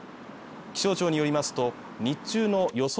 気象庁によりますと日中の予想